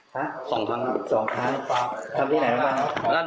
ฮะสองครั้งครับสองครั้งทำที่ไหนแล้วบ้าง